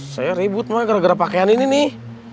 saya ribut makanya gara gara pakaian ini nih